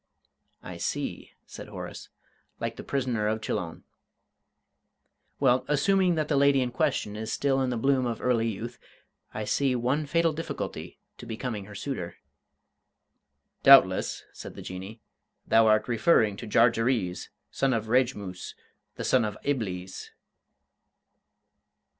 "I see," said Horace. "Like the Prisoner of Chillon. Well, assuming that the lady in question is still in the bloom of early youth, I see one fatal difficulty to becoming her suitor." "Doubtless," said the Jinnee, "thou art referring to Jarjarees, the son of Rejmoos, the son of Iblees?"